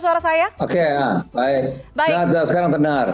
oke baik sekarang tenar